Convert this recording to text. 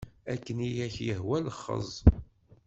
Akken i ak-yehwa lexxez.